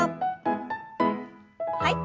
はい。